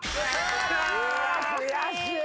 うわ悔しい！